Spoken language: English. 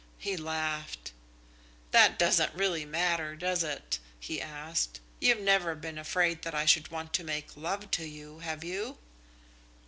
He laughed. "That doesn't really matter, does it?" he asked. "You've never been afraid that I should want to make love to you, have you?"